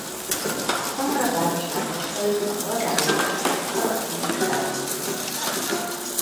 Szamara városnál torkollik a Volgán létesített Szaratovi-víztározóba.